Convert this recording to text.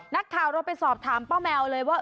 นักข่าวเราไปสอบถามป้าแมวเลยว่า